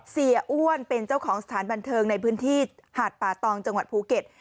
เสียอ้วนเป็นเจ้าของสถานบันเทิงในพื้นที่หาดป่าตองจังหวัดภูเก็ต